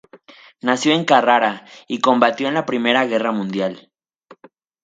Nació en Carrara, y combatió en la Primera Guerra Mundial.